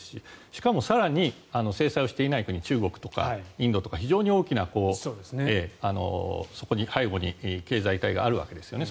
しかも、更に制裁をしていない国中国とかインドとか非常に大きな背後に経済界があるわけですよね。